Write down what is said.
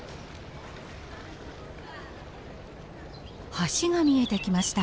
橋が見えてきました。